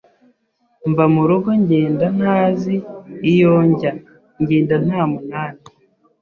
mva mu rugo ngenda ntazi iyo njya ngenda nta munani